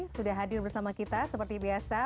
sudah hadir bersama kita seperti biasa